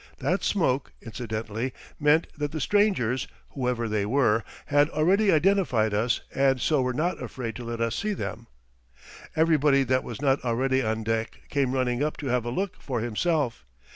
That smoke, incidentally, meant that the strangers, whoever they were, had already identified us and so were not afraid to let us see them. Everybody that was not already on deck came running up to have a look for himself.